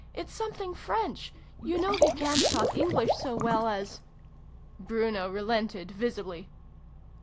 "It's something French you know he can't talk English so well as Bruno relented visibly.